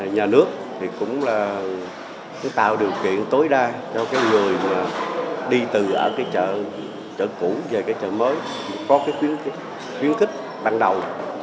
nhà nước cũng tạo điều kiện tối đa cho người đi từ chợ cũ về chợ mới có khuyến khích bằng đầu